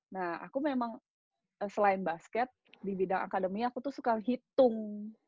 nah aku memang selain basket di bidang akademi aku tuh suka hitung